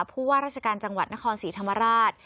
ผู้ว่าราชการจังหวัดนครศรีธรรมราช